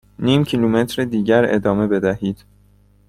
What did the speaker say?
نیم کیلومتر دیگر ادامه بدهید.